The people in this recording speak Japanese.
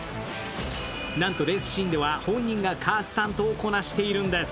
なんと、レースシーンでは本人がカースタントをこなしているんです。